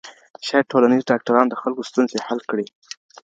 شاید ټولنیز ډاکټران د خلګو ستونزې حل کړي.